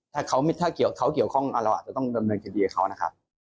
ถ้าเกี่ยวเขาเกี่ยวข้องเราอาจจะต้องดำเนินคดีกับเขานะครับ